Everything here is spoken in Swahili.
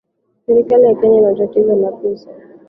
Serikali ya Kenya iko na tatizo la pesa.